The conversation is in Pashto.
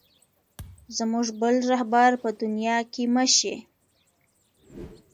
زموږ بل رهبر په دنیا کې مه شې.